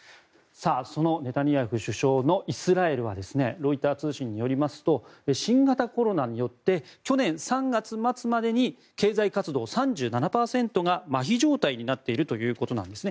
そのネタニヤフ首相のイスラエルはロイター通信によりますと新型コロナによって去年３月末までに経済活動の３７％がまひ状態になっているということなんですね。